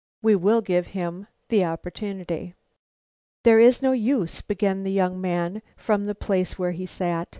We will give him the opportunity." "There is no use," began the young man from the place where he sat.